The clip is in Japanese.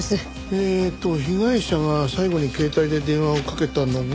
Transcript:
えーっと被害者が最後に携帯で電話をかけたのが１２時５分。